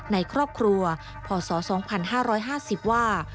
ในครอบครัวพศ๒๕๕๐ว่า